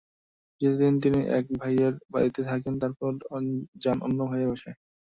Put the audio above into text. কিছুদিন তিনি এক ভাইয়ের বাড়িতে থাকেন, তারপর যান অন্য ভাইয়ের বাসায়।